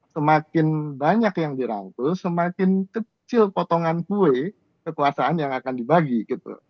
semakin banyak yang dirangkul semakin kecil potongan kue kekuasaan yang akan dibagi gitu